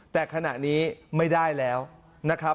แต่ขณะนี้ไม่ได้แล้วนะครับ